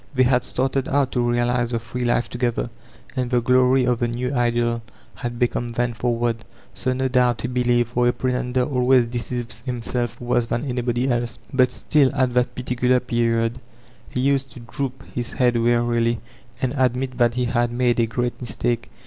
They had started out to realize the free life together, and the glory of the new ideal had beckoned them forward. So no doubt he believed, for a pretender always deceives him self worse than anybody else. But still, at that particular period, he used to droop his head wearily and admit that he had made a great mistake.